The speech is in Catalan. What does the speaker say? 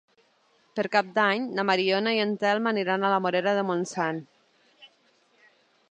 Per Cap d'Any na Mariona i en Telm aniran a la Morera de Montsant.